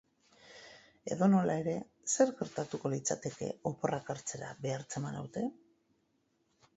Edonola ere, zer gertatuko litzateke oporrak hartzera behartzen banaute?